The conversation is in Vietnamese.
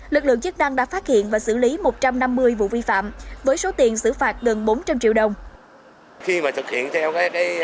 lực lượng chức năng đã phát hiện và xử lý một trăm năm mươi vụ vi phạm với số tiền xử phạt gần bốn trăm linh triệu đồng